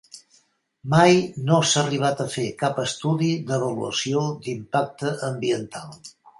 Mai no s'ha arribat a fer cap estudi d'avaluació d'impacte ambiental.